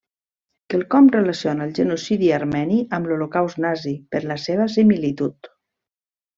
Quelcom relaciona el genocidi armeni amb l'holocaust nazi per la seva similitud.